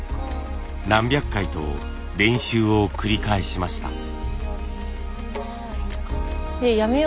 何百回と練習を繰り返しました。